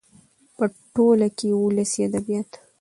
.په ټوله کې ولسي ادبيات